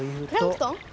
プランクトン？